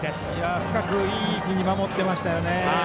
深く、いい位置に守ってましたよね。